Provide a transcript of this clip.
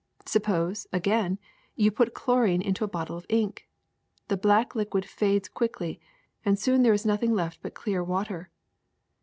Suppose, again, you put chlorine into a bottle of ink. The black liquid fades quickly and soon there is nothing left but clear water.